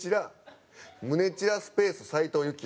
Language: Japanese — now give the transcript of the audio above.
「胸チラスペース斉藤由貴」